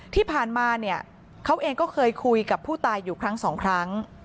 ที่ผ่านมาเนี่ยเขาเองก็เคยคุยกับผู้ตายอยู่ครั้งสองครั้ง